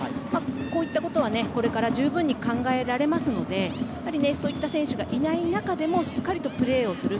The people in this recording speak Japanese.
こういったことはこれから十分に考えられますのでそういった選手がいない中でもしっかりとプレーをする。